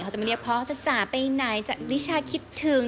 เขาจะไม่เรียกพ่อจะจ๋าไปไหนจ๋าอลิชาคิดถึง